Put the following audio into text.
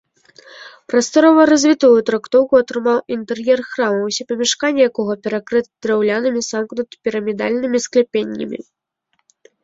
Прасторава развітую трактоўку атрымаў інтэр'ер храма, усе памяшканні якога перакрыты драўлянымі самкнутымі пірамідальнымі скляпеннямі.